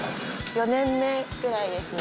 ４年目くらいですね。